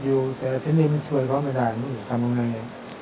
ที่ลูบในบ้านต้องเกิดเป็นคุณพิการอย่างนี้กันหมดเลย